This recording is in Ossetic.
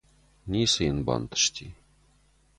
Ницы йын бантысти.